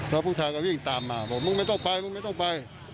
แล้วผู้ชายก็วิ่งตามมาบอกมึงไม่ต้องไปมึงไม่ต้องไป